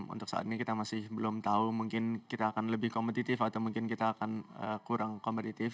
untuk saat ini kita masih belum tahu mungkin kita akan lebih kompetitif atau mungkin kita akan kurang kompetitif